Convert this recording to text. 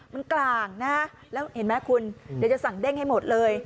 มันกลางนะแล้วเห็นไหมคุณเดี๋ยวจะสั่งเด้งให้หมดเลย